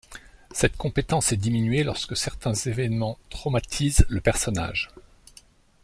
Cette compétence est diminuée lorsque certains évènements traumatisent le personnage.